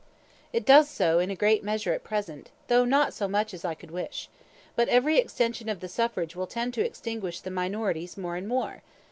"It does so in a great measure at present, though not so much so as I could wish, but every extension of the suffrage will tend to extinguish the minorities more and more.